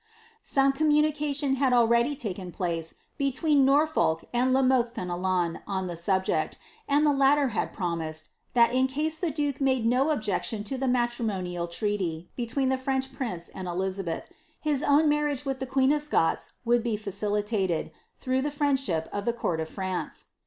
Some communication had already taken place between Norfolk and La Mothe Fenelon on the subject, and the latter had promised, that in case the duke made no objection to the matrimonial treaty between the French prince and EUizabeth, his own marriage with the queen of Scots would be facilitated, through the friendship of the court of France.